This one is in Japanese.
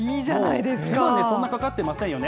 手間、そんなかかってませんよね？